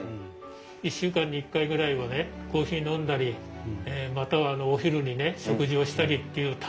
１週間に１回ぐらいはねコーヒー飲んだりまたはお昼に食事をしたりっていう楽しみができましたよね。